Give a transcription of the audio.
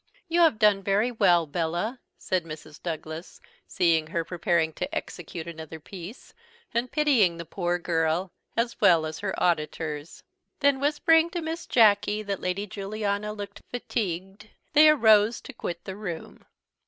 "You have done very well, Bella," said Mrs. Douglas, seeing her preparing to execute another piece, and pitying the poor girl, as well as her auditors. Then whispering Miss Jacky that Lady Juliana looked fatigued, they arose to quit the room.